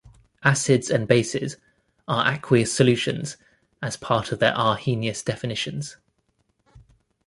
Acids and bases are aqueous solutions, as part of their Arrhenius definitions.